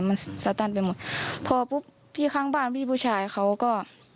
มันสตันไปหมดพอปุ๊บพี่ข้างบ้านพี่ผู้ชายเขาก็